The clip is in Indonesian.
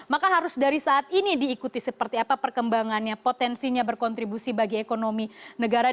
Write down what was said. maka harus dari saat ini diikuti seperti apa perkembangannya potensinya berkontribusi bagi ekonomi negara